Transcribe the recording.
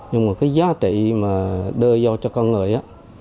nhưng mà cái giá trị mà đưa vô cho con người á